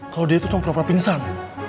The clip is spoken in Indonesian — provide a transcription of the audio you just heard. kalau dia itu cuma pra pra pingsan